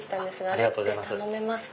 あれって頼めますか？